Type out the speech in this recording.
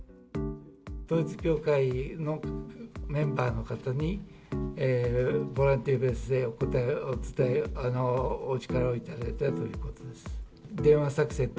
統一教会のメンバーの方にボランティアベースでお力を頂いたということです。